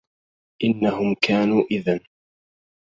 إنهم كانوا إذا